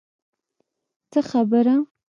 څه خبره.